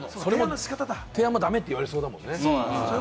提案もダメって言われそうだもんね。